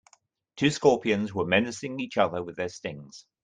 Two scorpions were menacing each other with their stings.